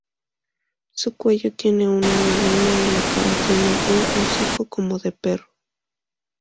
Su cuello tiene una melena y la cara tiene un hocico como de perro.